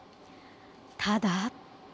ただ。